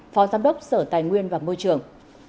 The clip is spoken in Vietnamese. phó giám đốc sở tài nguyên và môi trường